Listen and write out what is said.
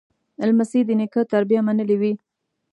لمسی د نیکه تربیه منلې وي.